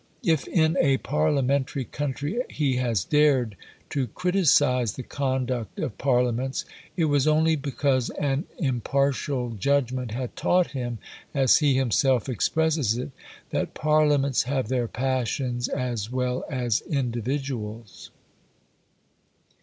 If in a parliamentary country he has dared to criticise the conduct of Parliaments, it was only because an impartial judgment had taught him, as he himself expresses it, that "Parliaments have their passions as well as individuals."